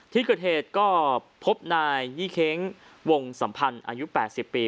ที่เกิดเหตุก็พบนายยี่เค้งวงสัมพันธ์อายุ๘๐ปี